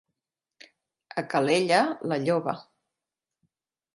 A Calella, la lloba.